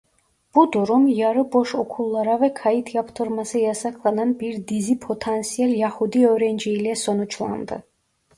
Bu durum yarı boş okullara ve kayıt yaptırması yasaklanan bir dizi potansiyel Yahudi öğrenciyle sonuçlandı.